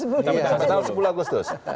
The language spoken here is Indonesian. sampai tahun sepuluh agustus